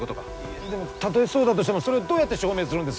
でもたとえそうだとしてもそれをどうやって証明するんです？